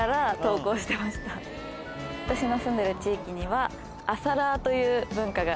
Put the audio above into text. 私の住んでる地域には。